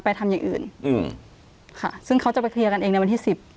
ไปทำอย่างอื่นซึ่งเขาจะไปเคลียร์กันเองในวันที่๑๐